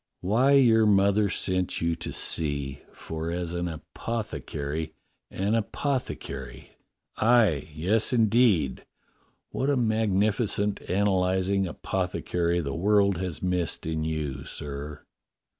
"Why your mother sent you to sea, for as an apothe cary — an apothecary — aye, yes, indeed, what a magnifi cent analyzing apothecary the world has missed in you, sir."